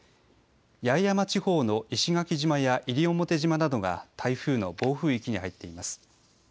八重山地方の石垣島や西表島などが台風の暴風域に入っています。